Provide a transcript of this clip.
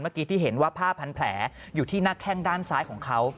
ที่เห็นว่าผ้าพันแผลอยู่ที่หน้าแข้งด้านซ้ายของเขา